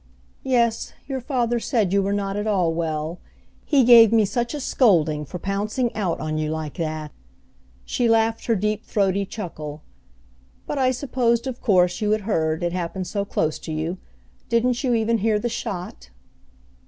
"Yes, your father said you were not at all well. He gave me such a scolding for pouncing out on you like that!" She laughed her deep throaty chuckle. "But I supposed of course you had heard, it happened so close to you. Didn't you even hear the shot?"